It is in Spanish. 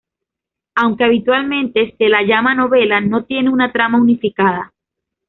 Aunque habitualmente se la llama novela, no tiene una trama unificada.